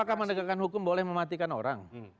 maka penegakan hukum boleh mematikan orang